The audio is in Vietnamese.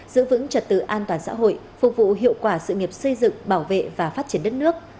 giữ vững trật tự an toàn xã hội phục vụ hiệu quả sự nghiệp xây dựng bảo vệ và phát triển đất nước